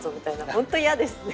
本当嫌ですね。